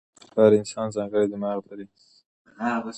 هر انسان ځانګړی دماغ لري.